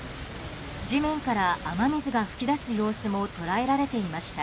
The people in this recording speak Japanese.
地面から雨水が噴き出す様子も捉えられていました。